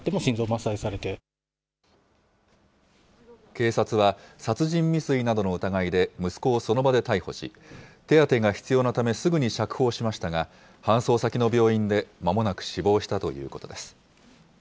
警察は殺人未遂などの疑いで、息子をその場で逮捕し、手当てが必要なためすぐに釈放しましたが、搬送先の病院でまもなく死亡したということです。